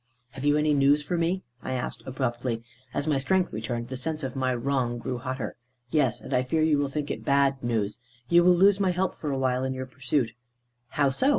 "Have you any news for me?" I asked abruptly. As my strength returned, the sense of my wrong grew hotter. "Yes; and I fear you will think it bad news. You will lose my help for awhile in your pursuit." "How so?